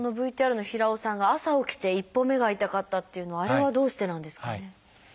ＶＴＲの平尾さんが朝起きて一歩目が痛かったというのはあれはどうしてなんですかね？